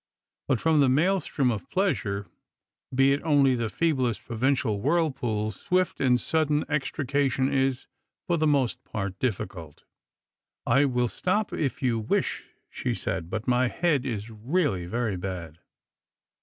But from the maelstrom of pleasure, be it only the feeblest provin cial whirlpool, swift and sudden extrication is, for the most part, difficult. " I will stop, if you wish," she said; " but my head is really very bad."